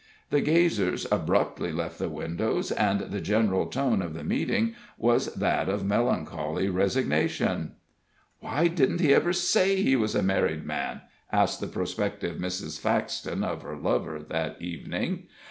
The gazers abruptly left the window, and the general tone of the meeting was that of melancholy resignation. "Why didn't he ever say he was a married man?" asked the prospective Mrs. Faxton, of her lover, that evening.